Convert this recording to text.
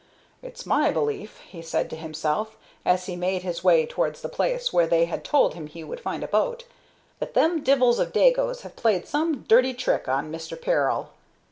"It's my belief," he said to himself, as he made his way towards the place where they had told him he would find a boat, "that them divils of Dagos have played some dirty trick on Mister Peril.